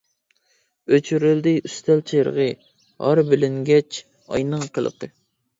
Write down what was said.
ئۆچۈرۈلدى ئۈستەل چىرىغى، ھار بىلىنگەچ ئاينىڭ قىلىقى.